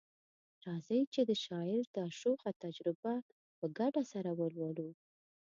راځئ چي د شاعر دا شوخه تجربه په ګډه سره ولولو